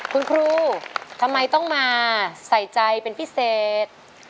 คุณครูทำไมต้องมาใส่ใจเป็นพิเศษ